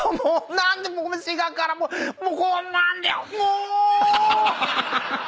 何で滋賀からもうこんなんでもーう！